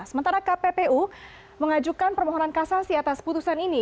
sementara kppu mengajukan permohonan kasasi atas putusan ini